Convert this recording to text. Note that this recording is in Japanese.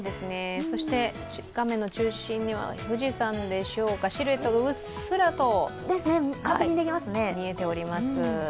そして、画面の中心には富士山でしょうか、シルエットがうっすらと見えております。